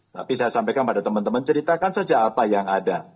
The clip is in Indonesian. tapi saya sampaikan pada teman teman ceritakan saja apa yang ada